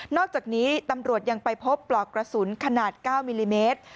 อกจากนี้ตำรวจยังไปพบปลอกกระสุนขนาด๙มิลลิเมตร